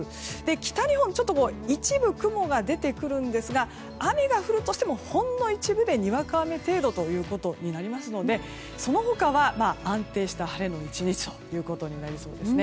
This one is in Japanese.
北日本、ちょっと一部雲が出てくるんですが雨が降るとしても、ほんの一部でにわか雨程度になりますのでその他は安定した晴れの１日となりそうですね。